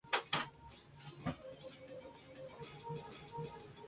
A continuación se agrega la polimerasa en el tubo.